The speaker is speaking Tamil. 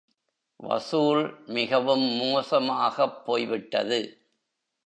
வசூல் மிகவும் மோசமாகப் போய் விட்டது.